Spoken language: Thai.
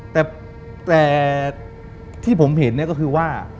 แต่ที่ผมเห็นก็คือว่า